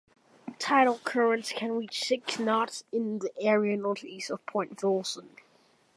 Tidal currents can reach six knots in the area northeast of Point Wilson.